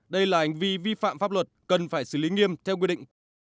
đây là hành vi vi phạm pháp luật cần phải xử lý nghiêm theo quy định